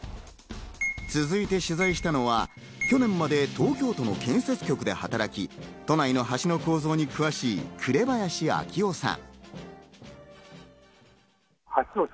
続いて取材したのは去年まで東京都の建設局で働き、都内の橋の構造に詳しい紅林章央さん。